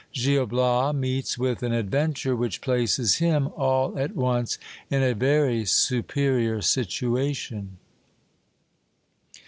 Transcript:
Gil Bias meets with an adventure which places him all at once in a very superior situation.